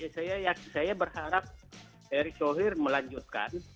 saya berharap erick thohir melanjutkan